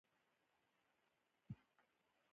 افغانستان په خپلو رسوبونو باندې پوره او مستقیمه تکیه لري.